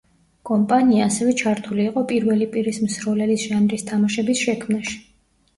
კომპანია, ასევე ჩართული იყო პირველი პირის მსროლელის ჟანრის თამაშების შექმნაში.